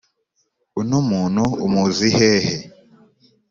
uno muntu umuzi hehe ?